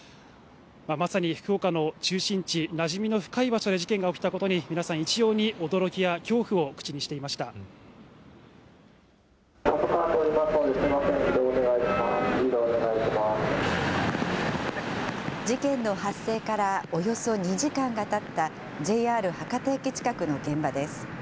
まさに福岡の中心地、なじみの深い場所で事件が起きたことに、皆さん、一様に驚きや恐怖を口にし事件の発生からおよそ２時間がたった、ＪＲ博多駅近くの現場です。